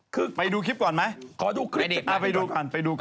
คือไปดูคลิปก่อนไหมขอดูคลิปเอาไปดูก่อนไปดูก่อน